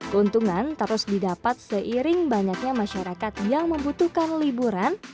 keuntungan terus didapat seiring banyaknya masyarakat yang membutuhkan liburan